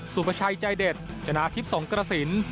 ประชัยใจเด็ดชนะทิพย์สงกระสิน